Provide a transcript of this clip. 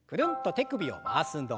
手首を回す運動。